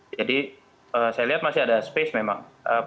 jadi saya lihat masih ada ruang memang